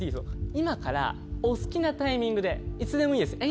今からお好きなタイミングでいつでもいいです。